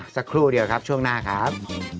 สักครู่เดียวครับช่วงหน้าครับ